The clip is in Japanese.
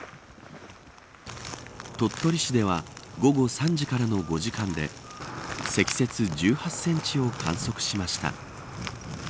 鳥取市では午後３時からの５時間で積雪１８センチを観測しました。